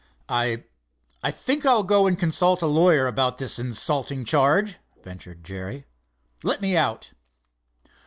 "I—I think I'll go and consult a lawyer about this insulting charge," ventured Jerry. "Let me out."